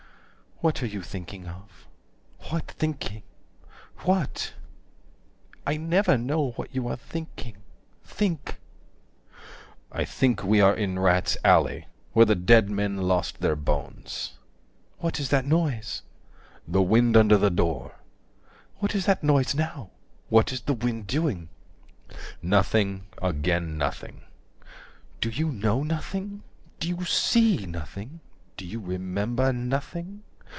What are you thinking of? What thinking? What? I never know what you are thinking. Think." I think we are in rats' alley 115 Where the dead men lost their bones. "What is that noise?" The wind under the door. "What is that noise now? What is the wind doing?" Nothing again nothing. 120 "Do You know nothing? Do you see nothing? Do you remember Nothing?"